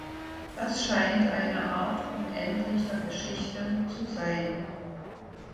Das scheint eine Art "unendlicher Geschichte" zu sein.